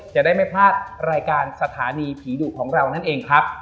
จะได้ไม่พลาดรายการสถานีผีดุของเรานั่นเองครับ